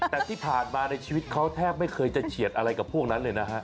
แต่ที่ผ่านมาในชีวิตเขาแทบไม่เคยจะเฉียดอะไรกับพวกนั้นเลยนะฮะ